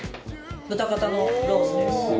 豚肩のロースです。